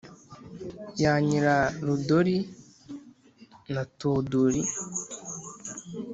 yanyira rudori na tuduri